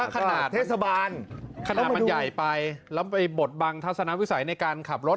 ขนาดเทศบาลขนาดมันใหญ่ไปแล้วไปบดบังทัศนวิสัยในการขับรถ